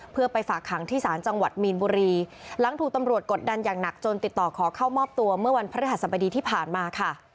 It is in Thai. เพื่อไปฝากขังที่ศาลจังหวัดมีนบุรีหลังถูกตำรวจกดดันอย่างหนักจนติดต่อขอเข้ามอบตัวเมื่อวันพระฤหัสบดีที่ผ่านมาค่ะ